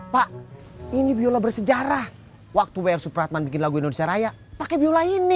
pak ini biola bersejarah waktu wr supratman bikin lagu indonesia raya pakai viola ini